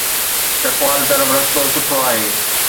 چکوال طرف رستو سٺو آهي.